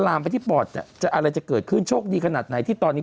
ลามไปที่ปอดเนี่ยจะอะไรจะเกิดขึ้นโชคดีขนาดไหนที่ตอนนี้